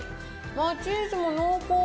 ああ、チーズも濃厚。